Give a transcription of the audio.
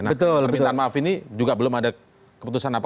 nah permintaan maaf ini juga belum ada keputusan apa